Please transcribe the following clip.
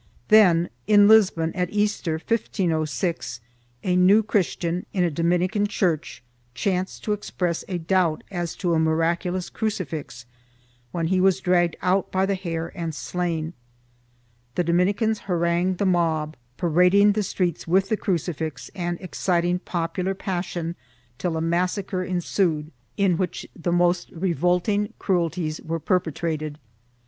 Then in Lisbon, at Easter, 1506, a New Christian in a Dominican church, chanced to express a doubt as to a miraculous crucifix, when he was dragged out by the hair and slain; the Dominicans harangued the mob, parading the streets with the crucifix and exciting popular passion till a massacre ensued in which the most revolting cruelties were perpetrated.